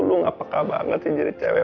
lu gak peka banget sih jadi cewek